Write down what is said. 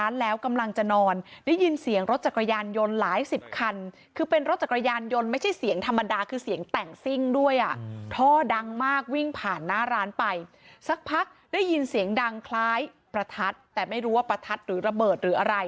กลางคล้ายประทัดแต่ไม่รู้ว่าประทัดหรือระเบิดหรืออะไร